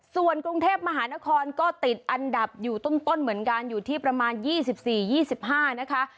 ส่วนกรุงเทพมหานครก็ติดอันดับอยู่ต้นเหมือนกันอยู่ที่ประมาณ๒๔๒๕นะคะ